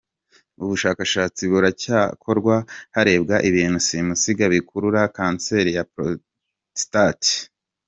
Ubushakashatsi buracyakorwa harebwa ibintu simusiga bikurura kanseri ya prostate.